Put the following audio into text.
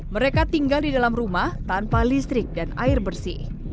mereka tinggal di dalam rumah tanpa listrik dan air bersih